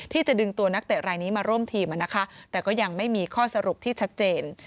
ที่จะดึงตัวนักเตะรายนี้มาร่วมทีมนะคะแต่ก็ยังไม่มีข้อสรุปที่ชัดเจน